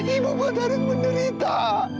ibu buat haris menderita